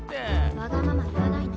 わがまま言わないの。